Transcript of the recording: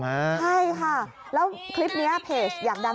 ใช่ค่ะแล้วคลิปนี้เพจอยากดังกลัวนะครับ